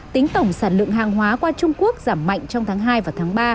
tính tổng sản lượng hàng hóa qua trung quốc giảm mạnh trong tháng hai và tháng ba